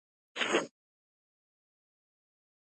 افغانستان د خاوره د ترویج لپاره پروګرامونه لري.